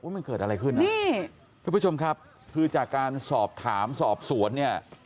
พี่ผู้ชมครับคือจากการสอบถามสอบสวนเนี่ย